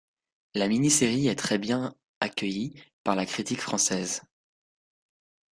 La mini-série est très bien accueillie par la critique française.